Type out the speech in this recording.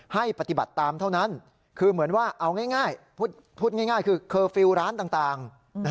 ให้ปฏิบัติตามเท่านั้นคือเหมือนว่าเอาง่ายพูดง่ายคือเคอร์ฟิลล์ร้านต่าง